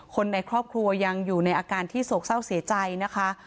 คนในครอบครัวยังอยู่ในอาการที่โศกเศร้าเสียใจนะคะ